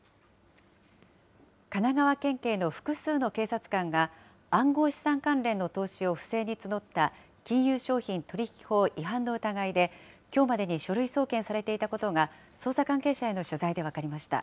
神奈川県警の複数の警察官が、暗号資産関連の投資を不正に募った金融商品取引法違反の疑いで、きょうまでに書類送検されていたことが、捜査関係者への取材で分かりました。